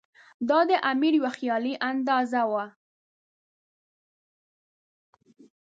دا د امیر یوه خیالي اندازه وه.